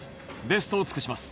ベストを尽くします。